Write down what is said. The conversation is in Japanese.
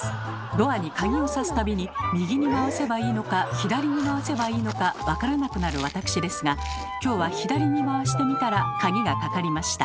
ドアに鍵をさす度に右に回せばいいのか左に回せばいいのか分からなくなるわたくしですが今日は左に回してみたら鍵がかかりました。